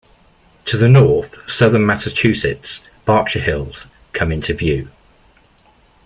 To the north, Southern Massachusetts Berkshire Hills come into view.